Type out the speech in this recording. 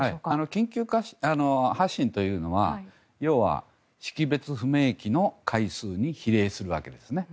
緊急発進というのは要は識別不明機の回数に比例するわけです。